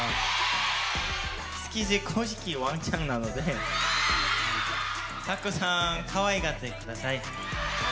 スキズ公式ワンちゃんなのでたくさんかわいがってください！